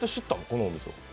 このお店。